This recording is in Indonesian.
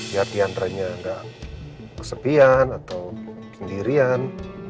ya dianranya gak kesepian atau sendirian